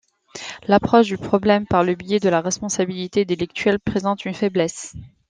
L'approche du problème par le biais de la responsabilité délictuelle présente une faiblesse.